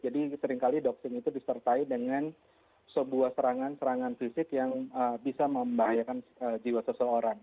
jadi sering kali doxing itu disertai dengan sebuah serangan serangan fisik yang bisa membahayakan jiwa seseorang